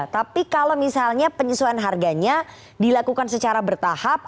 tapi kalau misalnya penyesuaian harganya dilakukan secara bertahap